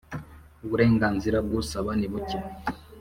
uburenganzira bw ‘usaba nibuke.